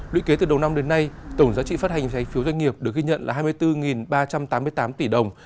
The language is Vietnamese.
lũy kế từ đầu năm đến nay tổng giá trị phát hành trái phiếu doanh nghiệp được ghi nhận là hai mươi bốn ba trăm tám mươi tám tỷ đồng